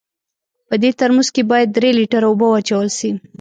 په دې ترموز کې باید درې لیټره اوبه واچول سي.